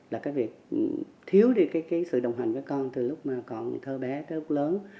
là cái việc thiếu đi cái sự đồng hành với con từ lúc mà còn thơ bé tới lúc lớn